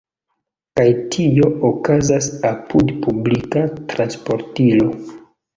Kaj tio okazas apud publika transportilo.